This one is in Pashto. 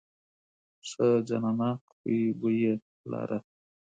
ښه جانانه خوی بوی یې لاره.